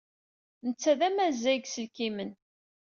Netta d amazzay deg yiselkimen.